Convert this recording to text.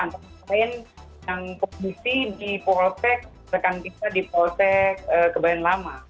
selain yang kondisi di polsek rekan kita di polsek kebayaran lama